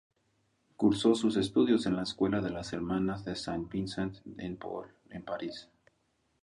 Cursó sus estudios en la Escuela de las Hermanas de Saint-Vincent-de Paul, en París.